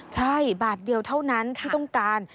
ใช่บาทเดียวเท่านั้นที่ต้องการ